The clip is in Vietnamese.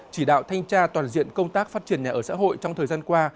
chỉ đạo thanh tra toàn diện công tác phát triển nhà ở xã hội trong thời gian qua